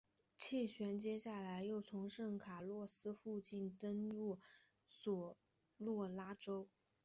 气旋接下来又从圣卡洛斯附近登陆索诺拉州。